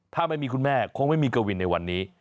ถ้าไม่มีคุณแม่คงไม่มีกวินในวันนี้